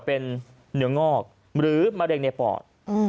เป็นเนื้องอกหรือมะเร็งในปอด